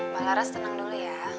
mbak laras tenang dulu ya